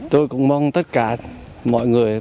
tôi cũng mong tất cả mọi người